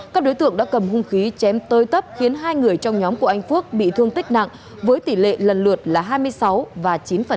các đối tượng đã cầm hung khí chém tới tấp khiến hai người trong nhóm của anh phước bị thương tích nặng với tỷ lệ lần lượt là hai mươi sáu và chín